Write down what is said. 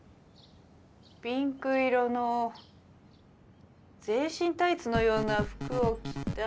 ピンク色の全身タイツのような服を着た。